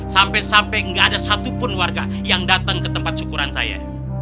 sampai sampai gak ada satu pun warga yang datang ke tempat syukuran saya